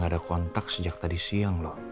kita udah gak ada kontak sejak tadi siang loh